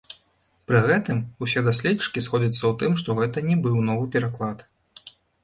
Пры гэтым усе даследчыкі сходзяцца ў тым, што гэта не быў новы пераклад.